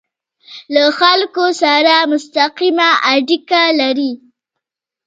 له خلکو سره مستقیمه اړیکه لري.